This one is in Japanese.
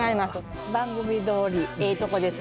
番組どおりえぇトコです。